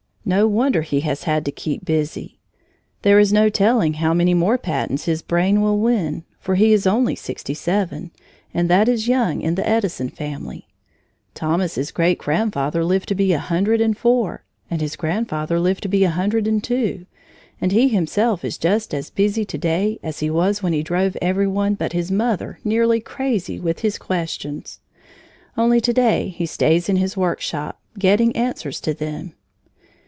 No wonder he has had to keep busy! There is no telling how many more patents his brain will win, for he is only sixty seven, and that is young in the Edison family. Thomas's great grandfather lived to be a hundred and four, and his grandfather lived to be a hundred and two. And he himself is just as busy to day as he was when he drove every one but his mother nearly crazy with his questions. Only to day he stays in his workshop, getting answers to them.